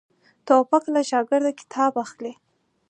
توپک له شاګرده کتاب اخلي.